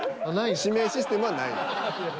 指名システムはない。